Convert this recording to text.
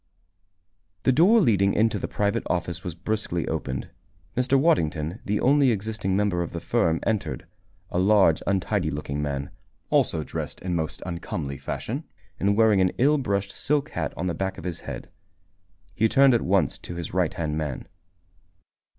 The door leading into the private office was brusquely opened. Mr. Waddington, the only existing member of the firm, entered a large, untidy looking man, also dressed in most uncomely fashion, and wearing an ill brushed silk hat on the back of his head. He turned at once to his righthand man.